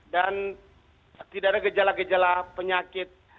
dan tidak ada gejala gejala penyakit